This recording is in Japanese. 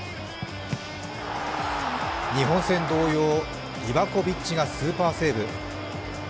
日本戦同様、リバコビッチがスーパーセーブ。